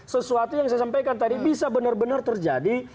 sesuatu yang saya sampaikan tadi bisa benar benar terjadi